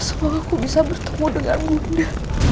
semoga aku bisa bertemu denganmu nia